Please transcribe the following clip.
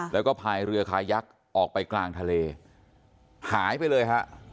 แล้วก็พายเรือคายักษ์ออกไปกลางทะเลหายไปเลยฮะ